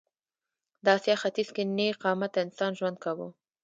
د اسیا ختیځ کې نېغ قامته انسان ژوند کاوه.